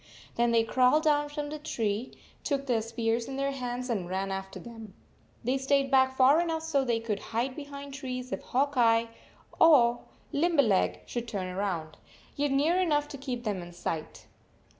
Then they crawled down from the tree, took their spears in their hands, and ran after them. They stayed back far enough so they could hide behind trees if Hawk Eye or Lim berleg should turn round, yet near enough to keep them in sight.